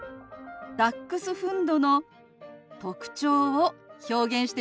ダックスフンドの特徴を表現してみます。